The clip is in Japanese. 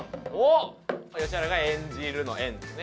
吉原が「演じる」の「演」ですね。